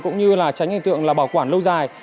cũng như tránh hình tượng bảo quản lâu dài